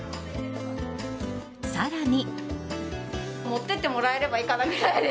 更に。